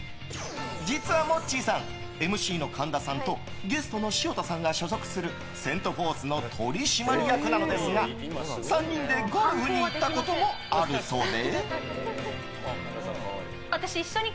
実は、モッチーさんＭＣの神田さんとゲストの潮田さんが所属するセント・フォースの取締役なのですが３人でゴルフに行ったこともあるそうで。